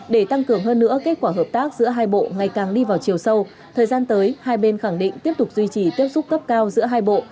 để tăng cường hơn nữa kết quả hợp tác giữa hai bộ ngày càng đi vào chiều sâu thời gian tới hai bên khẳng định tiếp tục duy trì tiếp xúc cấp cao giữa hai bộ